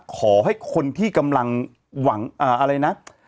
ขอให้คนที่กำลังหวังอะไรนะ